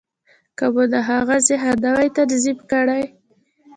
که موږ د هغه ذهن نه وای تنظيم کړی.